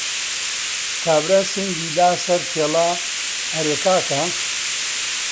کابرا سنگی دا سەر تێڵا: ئەرێ کاکە!